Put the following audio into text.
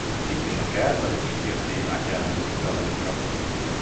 Itt is a kelta és ír témák jellemzők dalaikra.